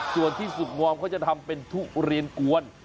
ส่วนที่สุดงอมเขาจะทำเป็นทุเรียนกวน